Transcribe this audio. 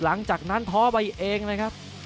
หลังจากนั้นท้อไปเองเลยครับ